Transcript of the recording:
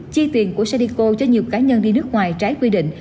chi tiền của sadeco cho nhiều cá nhân đi nước ngoài trái quy định